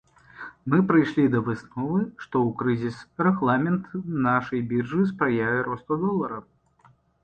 Мы прыйшлі да высновы, што ў крызіс рэгламент нашай біржы спрыяе росту долара.